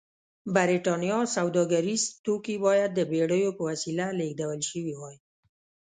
برېټانیا سوداګریز توکي باید د بېړیو په وسیله لېږدول شوي وای.